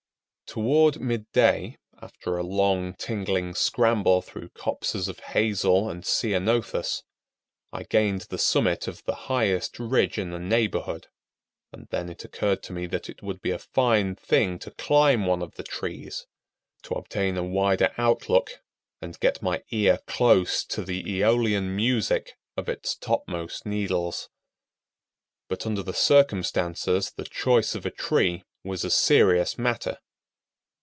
Toward midday, after a long, tingling scramble through copses of hazel and ceanothus, I gained the summit of the highest ridge in the neighborhood; and then it occurred to me that it would be a fine thing to climb one of the trees to obtain a wider outlook and get my ear close to the Aeolian music of its topmost needles. But under the circumstances the choice of a tree was a serious matter.